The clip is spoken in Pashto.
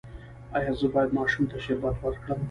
ایا زه باید ماشوم ته شربت ورکړم؟